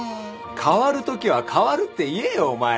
代わるときは代わるって言えよお前ら。